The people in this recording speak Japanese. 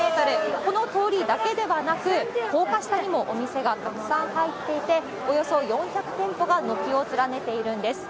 この通りだけではなく、高架下にもお店がたくさん入っていて、およそ４００店舗が軒を連ねているんです。